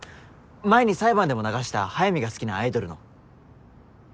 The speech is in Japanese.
前に裁判でも流した速水が好きなアイドルの。